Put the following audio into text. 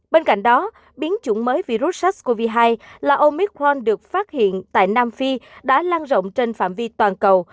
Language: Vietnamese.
bên cạnh đó biến chủng mới virus sars cov hai là omicron được phát hiện tại nam phi đã lan rộng trên phạm vi toàn cầu